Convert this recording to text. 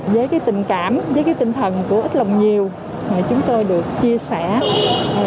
với tình cảm với tinh thần của ít lòng nhiều chúng tôi được chia sẻ